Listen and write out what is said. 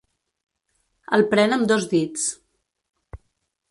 El pren amb dos dits.